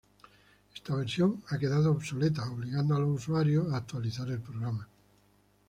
Esta versión ha quedado obsoleta, obligando a los usuarios para actualizar el programa.